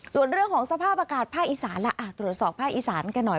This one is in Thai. ส่วนเรื่องของสภาพอากาศภาคอีสานล่ะตรวจสอบภาคอีสานกันหน่อย